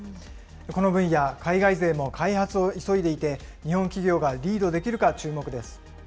この分野、海外勢も開発を急いでいて、日本企業がリードできるか注目です。